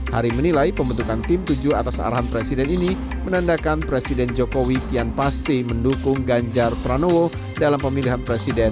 hari menilai pembentukan tim tujuh atas arahan presiden ini menandakan presiden jokowi kian pasti mendukung ganjar pranowo dalam pemilihan presiden dua ribu sembilan belas